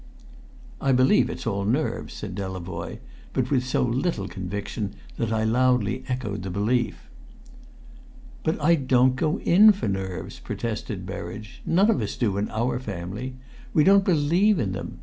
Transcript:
"I believe it's all nerves," said Delavoye, but with so little conviction that I loudly echoed the belief. "But I don't go in for nerves," protested Berridge; "none of us do, in our family. We don't believe in them.